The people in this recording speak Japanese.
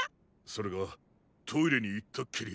それがトイレにいったっきり。